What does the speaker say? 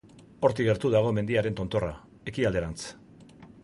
Hortik gertu dago mendiaren tontorra, ekialderantz.